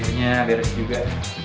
akhirnya beres juga